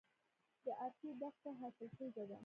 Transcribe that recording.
د ارچي دښته حاصلخیزه ده